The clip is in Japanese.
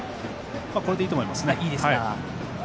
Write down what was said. これでいいと思います。